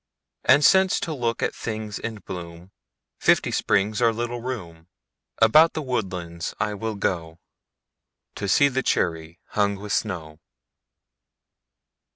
And since to look at things in bloomFifty springs are little room, About the woodlands I will goTo see the cherry hung with snow.